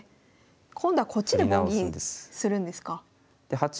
今度はこっちで棒銀するんですか。